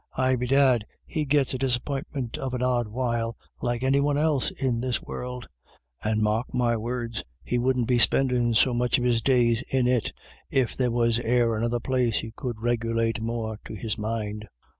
Aye bedad, he gits a disappointment of an odd while, like any one else in this world ; and, mark my words, he wouldn't be spendin' so much of his days in it, if there was e'er another place he could regulate more to his mind."